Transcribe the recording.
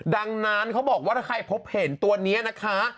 ดังนั้นเขาบอกว่าถ้าใครพบเห็นตัวนี้นะคะ